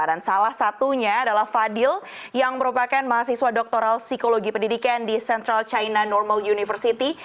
dan salah satunya adalah fadil yang merupakan mahasiswa doktoral psikologi pendidikan di central china normal university